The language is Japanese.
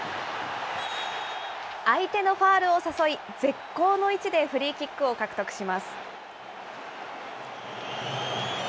相手のファウルを誘い、絶好の位置でフリーキックを獲得します。